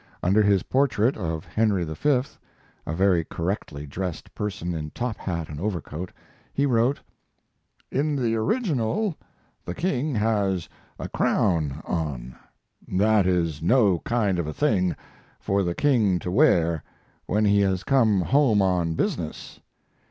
Under his portrait of Henry V. (a very correctly dressed person in top hat and overcoat) he wrote: In the original the King has a crown on. That is no kind of a thing for the King to wear when he has come home on business.